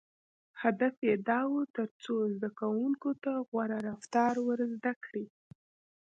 • هدف یې دا و، تر څو زدهکوونکو ته غوره رفتار ور زده کړي.